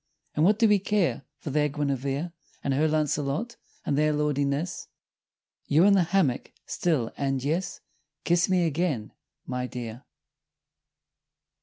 And what do we care for their Guinevere And her Launcelot and their lordliness! You in the hammock still, and Yes Kiss me again, my dear!